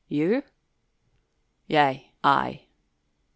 "You?" "Yea, I."